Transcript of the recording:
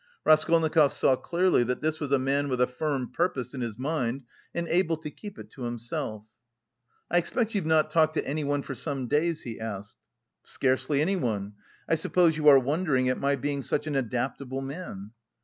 Raskolnikov saw clearly that this was a man with a firm purpose in his mind and able to keep it to himself. "I expect you've not talked to anyone for some days?" he asked. "Scarcely anyone. I suppose you are wondering at my being such an adaptable man?"